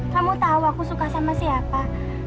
kamu tahu aku suka sama siapa